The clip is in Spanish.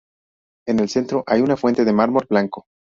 En el centro hay una fuente de mármol blanco.